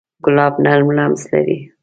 ګلاب نرم لمس لري.